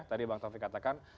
tadi bang taufik katakan